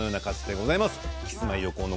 「キスマイ横尾の！